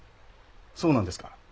そうなんですか。